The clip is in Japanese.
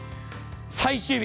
最終日。